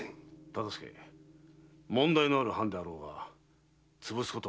忠相問題のある藩であろうがつぶすことはならぬ。